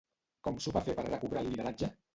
Com s'ho va fer per recobrar el lideratge?